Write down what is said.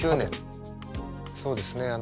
そうですね。